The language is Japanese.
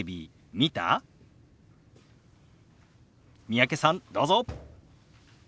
三宅さんどうぞ。